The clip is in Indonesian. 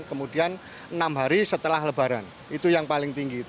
kemudian enam hari setelah lebaran itu yang paling tinggi